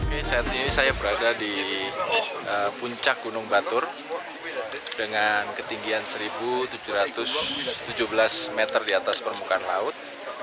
ini saat ini saya berada di puncak gunung batur dengan ketinggian seribu tujuh ratus tujuh belas meter di atas permukaan laut